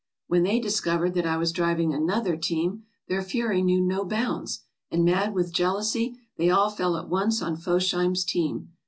When they discovered that I was driving another team, their fury knew no bounds, and, mad with jealousy, they all fell at once on Fosheim's team.